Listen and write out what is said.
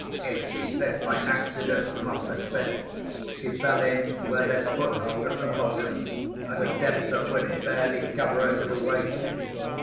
If she slipped, by accident, from off the Spit, she fell in where there's foothold at the bottom, at a depth that would barely cover her to the waist.